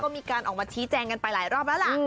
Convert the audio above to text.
มีการออกมาชี้แจงกันไปหลายรอบแล้วล่ะ